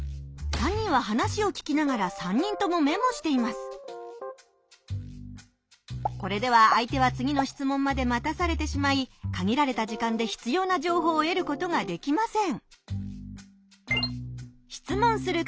３人は話を聞きながらこれでは相手は次の質問まで待たされてしまいかぎられた時間でひつような情報をえることができません。